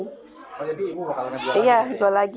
oh jadi ibu bakal ngebuang lagi